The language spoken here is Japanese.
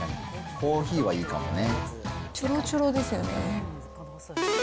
コーヒーはいいかもね。